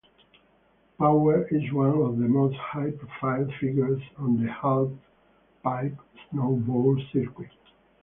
Powers is one of the most high-profile figures on the halfpipe snowboard circuit.